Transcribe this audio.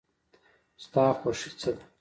ستا خوښی څه ده؟